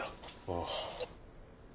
ああ。